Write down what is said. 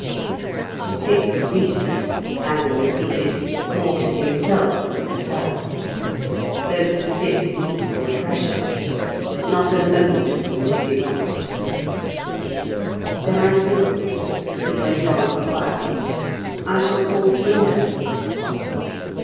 "Six weeks," Alan repeated, more to himself than to her. Those six week were precious. Not a moment of them must be lost. "Then I think," he went on quietly, "I shall call tomorrow."